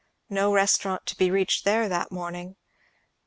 No restaurant to be reached there that morning.